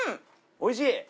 おいしい！